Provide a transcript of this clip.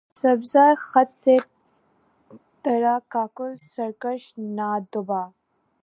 سبزۂ خط سے ترا کاکل سرکش نہ دبا